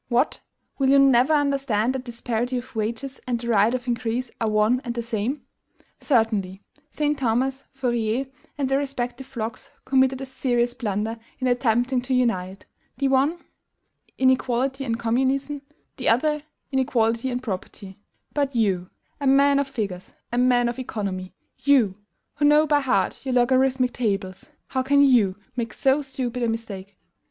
What! will you never understand that disparity of wages and the right of increase are one and the same? Certainly, St. Simon, Fourier, and their respective flocks committed a serious blunder in attempting to unite, the one, inequality and communism; the other, inequality and property: but you, a man of figures, a man of economy, you, who know by heart your LOGARITHMIC tables, how can you make so stupid a mistake?